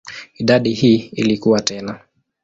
Idadi hii ilikua tena.